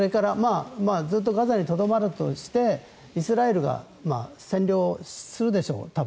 ずっとガザにとどまるとしてイスラエルが多分占領するでしょう。